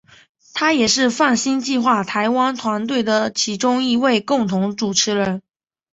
他也是泛星计画台湾团队的其中一位共同主持人。